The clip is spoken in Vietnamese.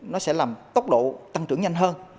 nó sẽ làm tốc độ tăng trưởng nhanh hơn